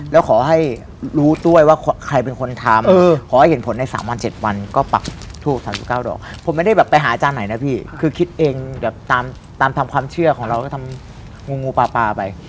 แบบจะคิดเองตามทำความเชื่อของเราก็ทำงูปลาไป